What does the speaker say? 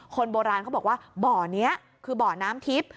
คนโบราณเขาบอกว่าบ่อนี้คือบ่อน้ำทิพย์